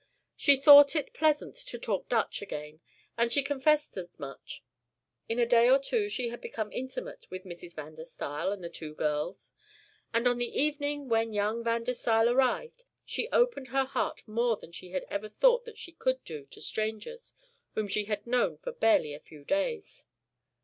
She thought it pleasant to talk Dutch again and she confessed as much. In a day or two she had become intimate with Mrs. van der Staal and the two girls; and on the evening when young Van der Staal arrived she opened her heart more than she had ever thought that she could do to strangers whom she had known for barely a few days.